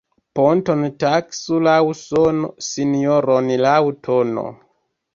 Poton taksu laŭ sono, sinjoron laŭ tono.